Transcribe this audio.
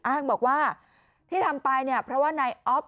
อ้างบอกว่าที่ทำไปเพราะว่าไนออฟ